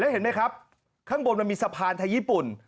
แล้วเห็นไหมครับข้างบนมีสะพานไทยยิปุ่น